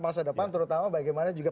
masa depan terutama bagaimana juga